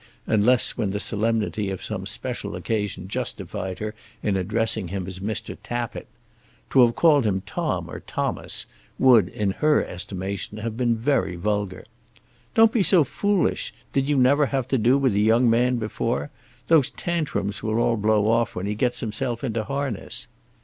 unless when the solemnity of some special occasion justified her in addressing him as Mr. Tappitt. To have called him Tom or Thomas, would, in her estimation, have been very vulgar. "Don't be so foolish. Did you never have to do with a young man before? Those tantrums will all blow off when he gets himself into harness."